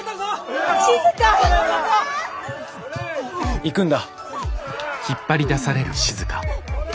行くんだ。